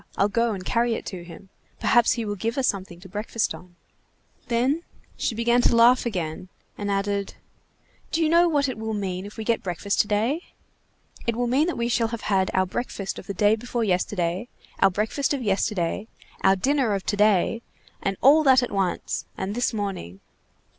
I'll go and carry it to him. Perhaps he will give us something to breakfast on." Then she began to laugh again, and added:— "Do you know what it will mean if we get a breakfast today? It will mean that we shall have had our breakfast of the day before yesterday, our breakfast of yesterday, our dinner of to day, and all that at once, and this morning.